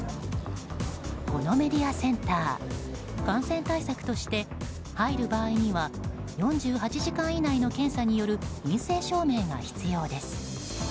このメディアセンター感染対策として入る場合には４８時間以内の検査による陰性証明が必要です。